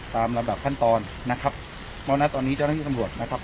ตามระบบขั้นตอนนะครับเพราะฉะนั้นตอนนี้เจ้าน้องที่อำวดนะครับ